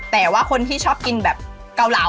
แต่ว่าคนที่ชอบกินแบบเกาเหลา